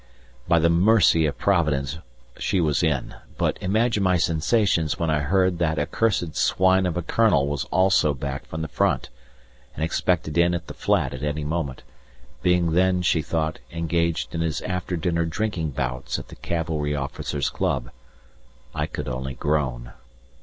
By the mercy of providence she was in, but imagine my sensations when I heard that that accursed swine of a Colonel was also back from the front, and expected in at the flat at any moment, being then, she thought, engaged in his after dinner drinking bouts at the cavalry officers' club. I could only groan.